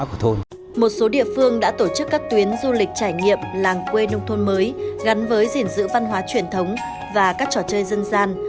một số địa phương đã tổ chức các tuyến du lịch trải nghiệm làng quê nông thôn mới gắn với gìn giữ văn hóa truyền thống và các trò chơi dân gian